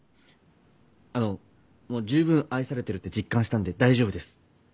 あのもうじゅうぶん愛されてるって実感したんで大丈夫です。